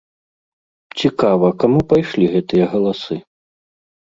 Цікава, каму пайшлі гэтыя галасы?